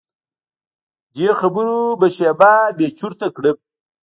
دې خبرو به شیبه بې چرته کړم.